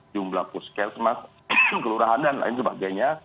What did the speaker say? jumlah puskesmas kelurahan dan lain sebagainya